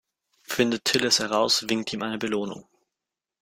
Findet Till es heraus, winkt ihm eine Belohnung.